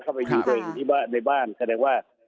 เข้าไปยิงตัวเองในบ้านแสดงว่า